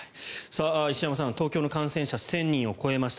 石山さん、東京の感染者１０００人を超えました。